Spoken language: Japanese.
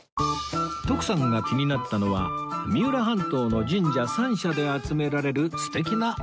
徳さんが気になったのは三浦半島の神社三社で集められる素敵なお守り